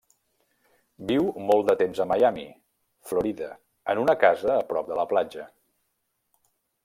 Viu molt de temps a Miami, Florida en una casa a prop de la platja.